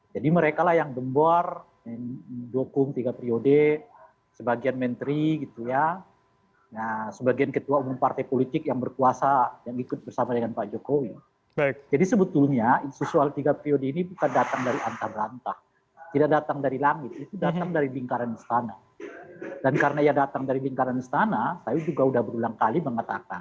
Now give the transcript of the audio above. jangan terus ke presiden